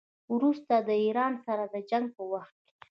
وروسته د ایران سره د جنګ په وخت کې.